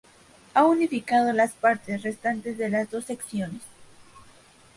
Ha unificado las partes restantes de las dos secciones.